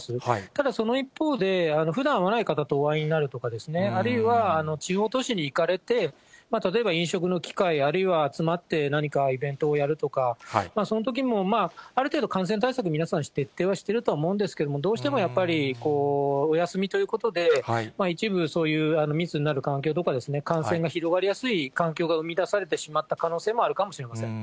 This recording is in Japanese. ただその一方で、ふだん会わない方とお会いになるとか、あるいは地方都市に行かれて、例えば飲食の機会、あるいは集まって何かイベントをやるとか、そのときもある程度感染対策、皆さん徹底はしてると思うんですけれども、どうしてもやっぱり、お休みということで、一部そういう密になる環境とか、感染が広がりやすい環境が生み出されてしまった可能性もあるかもしれません。